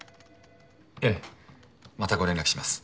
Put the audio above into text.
ええまたご連絡します。